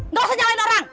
nggak usah nyalahin orang